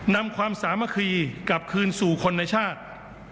นำความสามัคคีกลับคืนสู่คนในชาติ